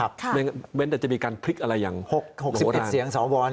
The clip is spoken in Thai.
แล้วยังจะมีการพลิกอะไรอย่างหลีก